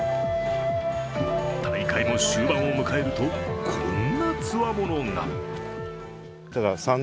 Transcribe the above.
大会も終盤を迎えるとこんなつわものが。